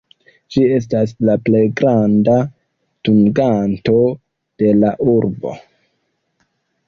Ĝi estas la plej granda dunganto de la urbo.